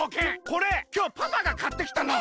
これきょうパパがかってきたの！